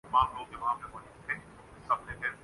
تم مجھے اس طرح حکم دینے والے کون ہوتے ہو؟